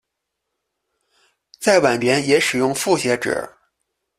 在晚年也使用复写纸。